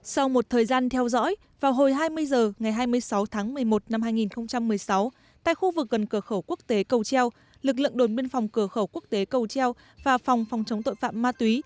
sau một thời gian theo dõi vào hồi hai mươi h ngày hai mươi sáu tháng một mươi một năm hai nghìn một mươi sáu tại khu vực gần cửa khẩu quốc tế cầu treo lực lượng đồn biên phòng cửa khẩu quốc tế cầu treo và phòng phòng chống tội phạm ma túy